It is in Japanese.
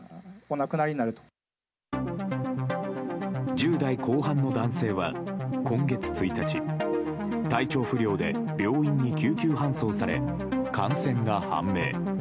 １０代後半の男性は、今月１日体調不良で病院に救急搬送され感染が判明。